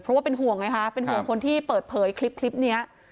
เพราะว่าเป็นห่วงไงคะเป็นห่วงคนที่เปิดเผยคลิปนี้